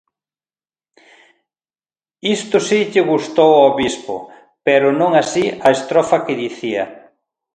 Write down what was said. Isto si lle gustou ó bispo, pero non así a estrofa que dicía: